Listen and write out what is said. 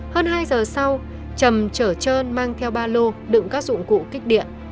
hơn hai h sau trầm chở trơn mang theo ba lô đựng các dụng cụ kích điện